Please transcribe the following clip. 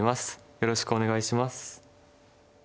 よろしくお願いします。